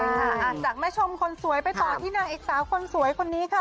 อาจจะมาชมคนสวยไปต่อที่นายสาวคนสวยคนนี้ค่ะ